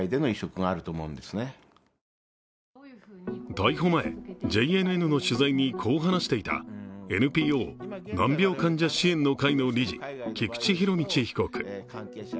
逮捕前、ＪＮＮの取材にこう話していたＮＰＯ難病患者支援の会の理事、菊池仁達被告。